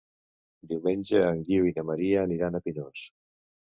Diumenge en Guiu i en Maria aniran a Pinós.